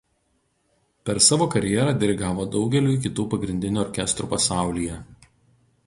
Per savo karjerą dirigavo daugeliui kitų pagrindinių orkestrų pasaulyje.